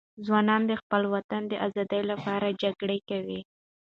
ځوانان د خپل وطن د آزادي لپاره جګړه کوي.